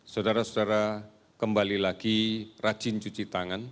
saudara saudara kembali lagi rajin cuci tangan